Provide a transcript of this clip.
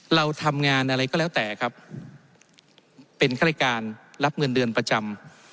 เราทำงานอะไรก็แล้วแต่ครับเป็นข้ารายการรับเงินเดือนประจำ